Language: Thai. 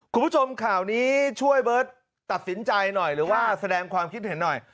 คุณผู้ชมข่าวนี้ช่วยเบิร์ตตัดสินใจหน่อยหรือว่าแสดงความคิดเห็นหน่อย